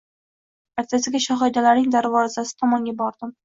Ertasiga Shohidalarning darvozasi tomonga bordim